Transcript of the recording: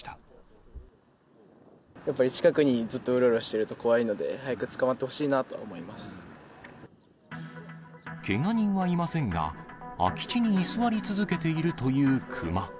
やっぱり、近くにずっとうろうろしてると怖いので、早く捕まってほしいなとけが人はいませんが、空き地に居座り続けているというクマ。